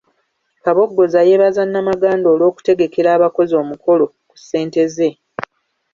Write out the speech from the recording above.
Kabogoza yeebaza Namaganda olw'okutegekera abakozi omukolo ku ssente ze.